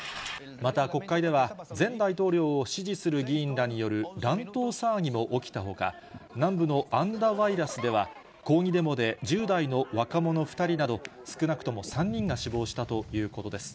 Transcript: また、国会では前大統領を支持する議員らによる乱闘騒ぎも起きたほか、南部のアンダワイラスでは、抗議デモで１０代の若者２人など、少なくとも３人が死亡したということです。